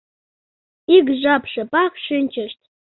Ик жап шыпак шинчышт.